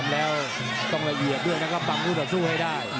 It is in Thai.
แล้วต้องละเอียดด้วยนะครับฟังคู่ต่อสู้ให้ได้